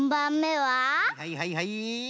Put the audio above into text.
はいはいはいはい！